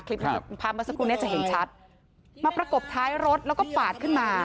ภาพเมื่อสักครู่นี้จะเห็นชัดมาประกบท้ายรถแล้วก็ปาดขึ้นมา